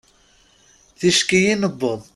Ticki i newweḍ.